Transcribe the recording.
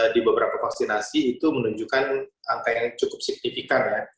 di beberapa vaksinasi itu menunjukkan angka yang cukup signifikan ya